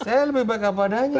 saya lebih baik apa adanya pak